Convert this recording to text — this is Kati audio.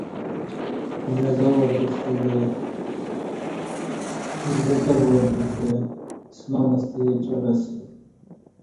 بعزہ وار جی زترہ وار کوستہ اسلام ستہ چاراسہ